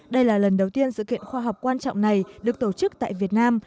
đây là lần đầu tiên sự kiện khoa học quan trọng này được tổ chức tại việt nam